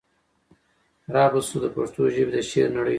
را به شو د پښتو ژبي د شعر نړۍ ته